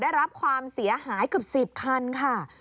ได้รับความเสียหายเกือบ๑๐คันค่ะ